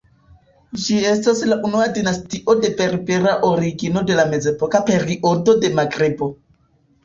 Ĝi estas la unua dinastio de Berbera origino de la mezepoka periodo de Magrebo.